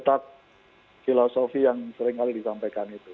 ada filosofi yang seringkali disampaikan itu